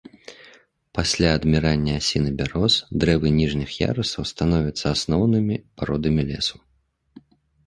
Пасля адмірання асін і бяроз дрэвы ніжніх ярусаў становяцца асноўнымі пародамі лесу.